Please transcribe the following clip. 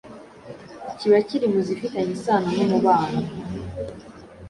kiba kiri mu zifitanye isano n'umubano